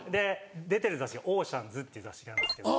出てる雑誌が『ＯＣＥＡＮＳ』っていう雑誌があるんですけど。